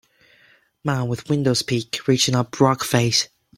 Man with widows peak reaching up rock face.